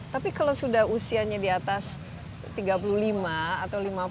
tapi kalau sudah usianya di atas tiga puluh lima atau lima puluh